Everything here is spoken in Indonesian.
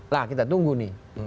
lah kita tunggu nih